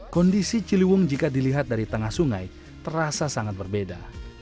kondisi ciliwung jika dilihat dari tengah sungai terasa sangat berbeda